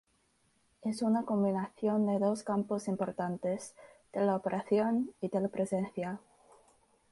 Es una combinación de dos campos importantes, tele-operación y tele-presencia.